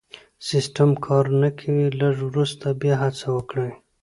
سيسټم کار نه کوي لږ وروسته بیا هڅه وکړئ